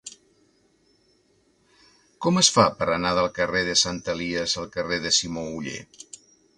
Com es fa per anar del carrer de Sant Elies al carrer de Simó Oller?